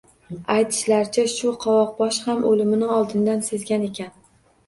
Aytishlaricha, shu qovoqbosh ham o`limini oldindan sezgan ekan